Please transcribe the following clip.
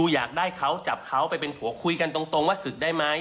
อยากได้เขาจับเขาไปเป็นผัวคุยกันตรงว่าศึกได้ไหม